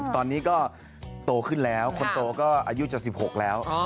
ตอนนี้ก็โตขึ้นแล้วคนโตก็อายุจะ๑๖แล้ว